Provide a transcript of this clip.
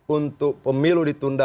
untuk pemilu ditunda